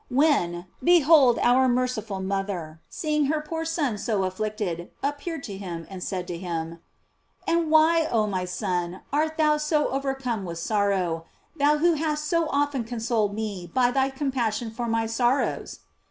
When, behold our merciful mother, seeing her poor son so afflict ed, appeared to him, and said to him: "And why, oh my son, art thou so overcome with sor row, thou who hast so often consoled me by thy compassion for my sorrows